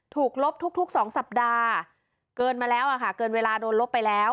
ลบทุก๒สัปดาห์เกินมาแล้วอะค่ะเกินเวลาโดนลบไปแล้ว